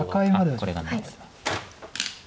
これがないです。